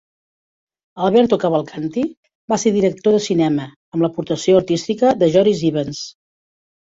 Alberto Cavalcanti va ser director de cinema, amb l'aportació artística de Joris Ivens.